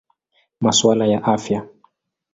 Masuala ya Afya.